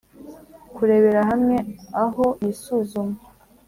Kurebera hamwe aho y isuzuma